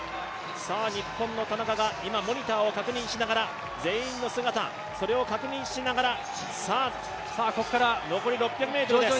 日本の田中が今モニターを確認しながら、全員のモニター、それを確認しながら残り６００ｍです。